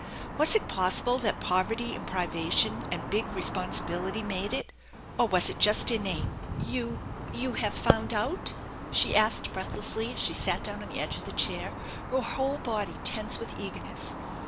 Was it possible that poverty and privation and Mg responsibility made it, or was it just innate ? "You you have found out?" she asked breathlessly as she sat down on the edge of the chair, her whole body tense with eagerness.